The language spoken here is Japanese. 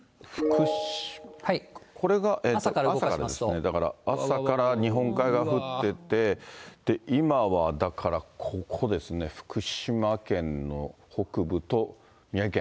これが朝からですね、朝から日本海側降ってて、今はだからここですね、福島県の北部と宮城県。